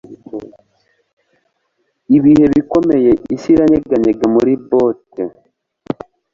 ibihe bikomeye isi iranyeganyega muri bote